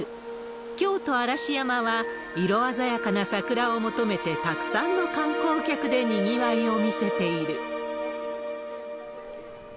京都・嵐山は、色鮮やかな桜を求めて、たくさんの観光客でにぎわいを見せている。